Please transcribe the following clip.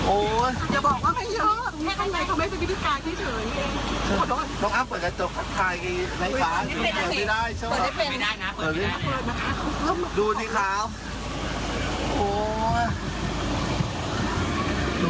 โอ้โหอย่าบอกว่าไม่เยอะเขาไม่เป็นพิธีการที่เฉย